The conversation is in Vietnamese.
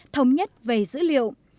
thống nhất về dữ liệu